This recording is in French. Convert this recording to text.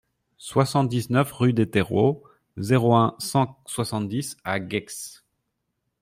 soixante-dix-neuf rue des Terreaux, zéro un, cent soixante-dix à Gex